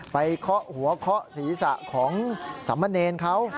เคาะหัวเคาะศีรษะของสามเณรเขา